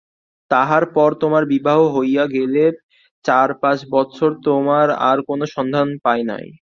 তাহার পর তোমার বিবাহ হইয়া গেলে চারপাঁচ বৎসর তোমার আর কোনো সন্ধান পাই নাই।